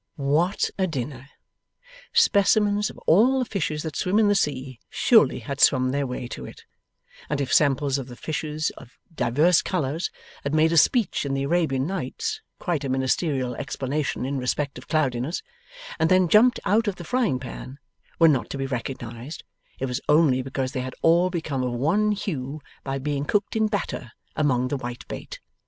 What a dinner! Specimens of all the fishes that swim in the sea, surely had swum their way to it, and if samples of the fishes of divers colours that made a speech in the Arabian Nights (quite a ministerial explanation in respect of cloudiness), and then jumped out of the frying pan, were not to be recognized, it was only because they had all become of one hue by being cooked in batter among the whitebait.